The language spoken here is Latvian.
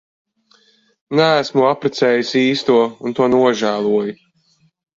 Neesmu apprecējis īsto un to nožēloju.